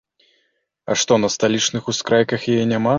А што, на сталічных ускрайках яе няма?